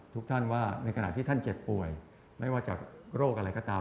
ทุกท่านว่าในขณะที่ท่านเจ็บป่วยไม่ว่าจากโรคอะไรก็ตาม